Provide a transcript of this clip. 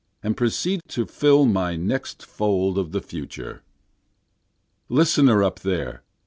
And proceed to fill my next fold of the future. Listener up there!